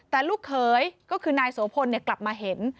แต่ลูกเขยก็คือนายโสพลกลับมาเห็น